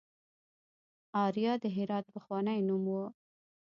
اریا د هرات پخوانی نوم و